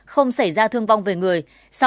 không xảy ra thương vong về người